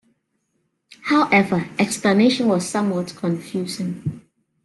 However, explanation was somewhat confusing.